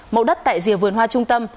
mẫu đất tại rìa vườn hoa trung tâm